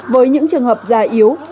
với những trường hợp già yếu